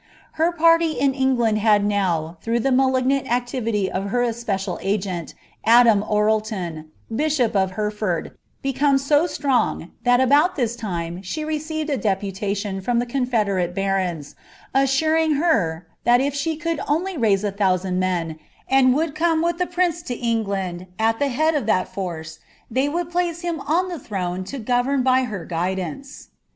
Her party in England had now, through alignant activity of her especial agent, Adam Orleton, bishop of >rd, become so strong, that about this time she received a deputa om the confederate barons, assuring her ^ that if she could only , thousand men, and would come with the prince to England, at •d of that force, they would place him on the throne to govern by iduice.''